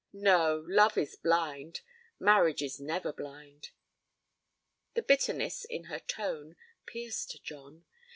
No, love is blind. Marriage is never blind.' The bitterness in her tone pierced John.